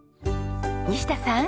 西田さん！